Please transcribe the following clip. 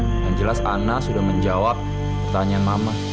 dengan jelas ana sudah menjawab pertanyaan mama